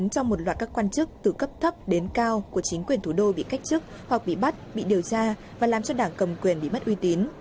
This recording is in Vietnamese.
cho một loạt các quan chức từ cấp thấp đến cao của chính quyền thủ đô bị cách chức hoặc bị bắt bị điều tra và làm cho đảng cầm quyền bị mất uy tín